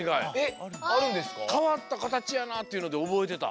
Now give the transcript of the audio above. かわったかたちやなっていうのでおぼえてた。